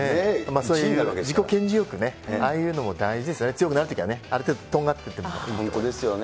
そういう自己顕示欲ね、ああいうのも大事ですね、強くなるときはね、ある程度、とんがっ本当ですよね。